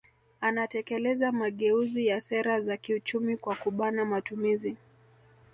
Akatekeleza mageuzi ya sera za kiuchumi kwa kubana matumizi